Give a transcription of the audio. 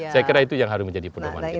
saya kira itu yang harus menjadi pedoman kita